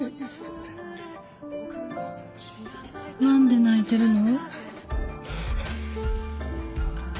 何で泣いてるの？